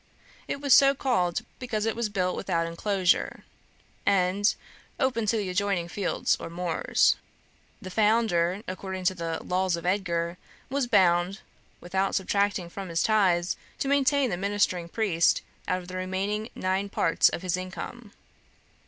It was so called because it was built without enclosure, and open to the adjoining fields or moors. The founder, according to the laws of Edgar, was bound, without subtracting from his tithes, to maintain the ministering priest out of the remaining nine parts of his income.